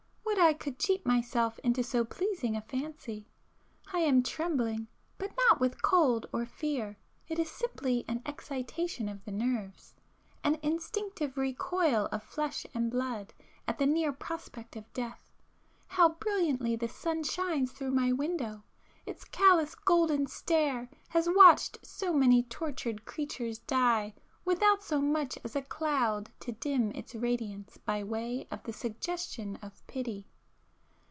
would I could cheat myself into so pleasing a fancy! ... I am trembling, but not with cold or fear,—it is simply an excitation of the nerves,——an instinctive recoil of flesh and blood at the near prospect of death.... How brilliantly the sun shines through my window!—its callous golden stare has watched so many tortured creatures die without so much as a cloud to dim its radiance by way of the suggestion of pity!